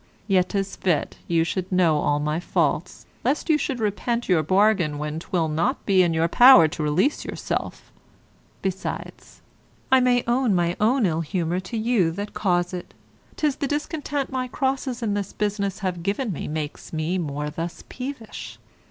Yet 'tis fit you should know all my faults, lest you should repent your bargain when 'twill not be in your power to release yourself; besides, I may own my ill humour to you that cause it; 'tis the discontent my crosses in this business have given me makes me thus peevish.